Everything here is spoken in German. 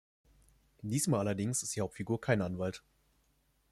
Diesmal allerdings ist die Hauptfigur kein Anwalt.